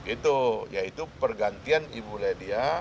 itu yaitu pergantian ibu ledia